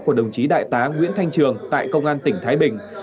của đồng chí đại tá nguyễn thanh trường tại công an tỉnh thái bình